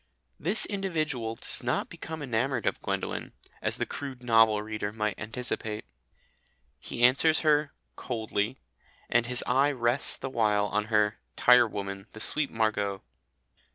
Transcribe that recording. This individual does not become enamoured of Gwendolen, as the crude novel reader might anticipate. He answers her "coldly," and his eye rests the while on her "tirewoman, the sweet Margot."